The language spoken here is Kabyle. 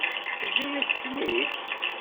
Teǧǧa-yasent-ten-id?